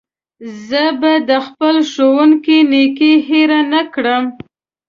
زه به د خپل ښوونکي نېکي هېره نه کړم.